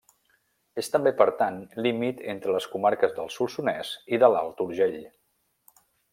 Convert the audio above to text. És també, per tant, límit entre les comarques del Solsonès i de l'Alt Urgell.